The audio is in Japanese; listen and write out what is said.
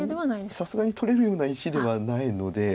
さすがに取れるような石ではないので。